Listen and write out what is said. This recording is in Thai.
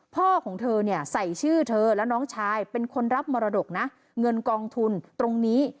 พ่อของเธอเนี่ยใส่ชื่อเธอแล้วน้องชายเป็นคนรับมรดกนะเงินกองทุนตรงนี้